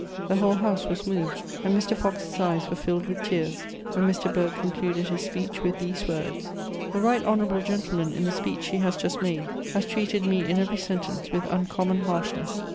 The whole House was moved, and Mr. Fox's eyes were filled with tears when Mr. Burke concluded his speech with these words: "The right honourable gentleman in the speech he has just made has treated me in every sentence with uncommon harshness